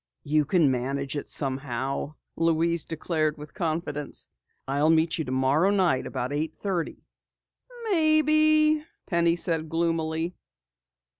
"You can manage it somehow," Louise declared with confidence. "I'll meet you tomorrow night about eight thirty." "Maybe," Penny said gloomily.